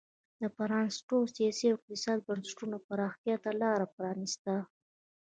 د پرانیستو سیاسي او اقتصادي بنسټونو پراختیا ته لار پرانېسته.